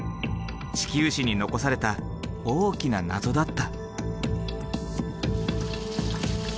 地球史に残された大きな謎だった。